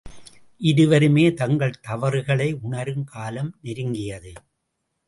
இருவருமே தங்கள் தவறுகளை உணரும் காலம் நெருங்கியது.